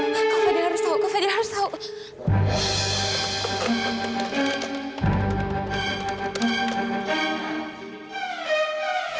kak fadli harus tahu kak fadli harus tahu